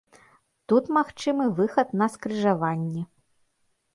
Тут магчымы выхад на скрыжаванне.